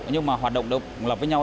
nhưng mà hoạt động đồng lập với nhau